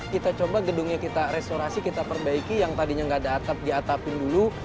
kita coba gedungnya kita restorasi kita perbaiki yang tadinya nggak ada atap diatapin dulu